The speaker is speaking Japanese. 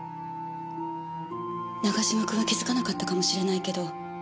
永嶋君は気づかなかったかもしれないけど